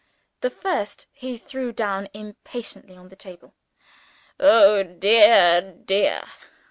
The first he threw down impatiently on the table. "Oh, dear, dear!